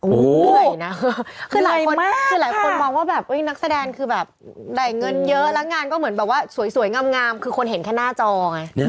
โอ้โหเหนื่อยนะคือหลายคนคือหลายคนมองว่าแบบนักแสดงคือแบบได้เงินเยอะแล้วงานก็เหมือนแบบว่าสวยงามคือคนเห็นแค่หน้าจอไง